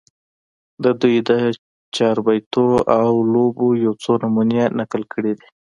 د دوي د چاربېتواو لوبو يو څو نمونې نقل کړي دي